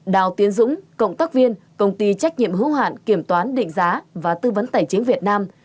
đào tiến dũng cộng tác viên công ty trách nhiệm hữu hạn kiểm toán định giá và tư vấn tài chính việt nam